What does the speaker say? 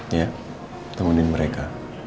ya temenin mereka